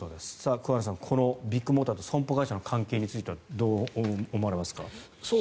桑野さん、このビッグモーターと損保会社との関係についてはどう思われますか？